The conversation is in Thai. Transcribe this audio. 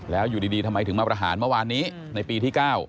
แล้วอยู่ดีทำไมถึงมาประหารเมื่อวานนี้ในปีที่๙